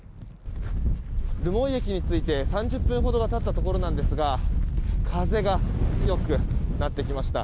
留萌駅に着いて３０分ほどが経ったところですが風が強くなってきました。